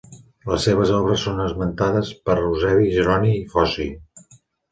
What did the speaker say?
Les seves obres són esmentades per Eusebi, Jeroni i Foci.